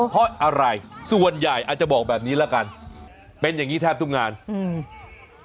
เพราะอะไรส่วนใหญ่อาจจะบอกแบบนี้ละกันเป็นอย่างงี้แทบทุกงานอืม